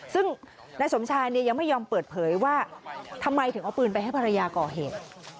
ซึ่งนายสมชายเนี่ยยังไม่ยอมเปิดเผยว่าทำไมถึงเอาปืนไปให้ภรรยาก่อเหตุ